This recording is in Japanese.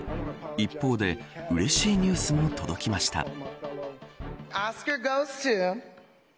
一方で、うれしいニュースも届きました。